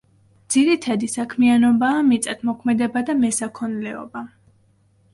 ძირითადი საქმიანობაა მიწათმოქმედება და მესაქონლეობა.